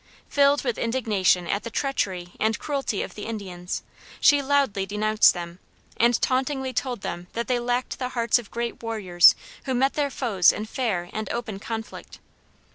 Filled with indignation at the treachery and cruelty of the Indians, she loudly denounced them, and tauntingly told them that they lacked the hearts of great warriors who met their foes in fair and open conflict.